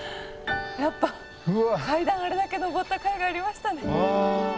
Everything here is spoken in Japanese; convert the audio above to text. やっぱ階段あれだけ上ったかいがありましたね。